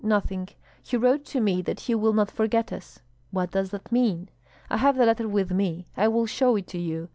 Nothing; he wrote to me that he will not forget us." "What does that mean?" "I have the letter with me; I will show it to you.